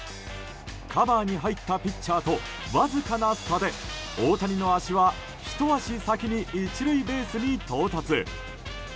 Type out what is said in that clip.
カバーに入ったピッチャーとわずかな差で大谷の足は、ひと足先に１塁ベースに到達。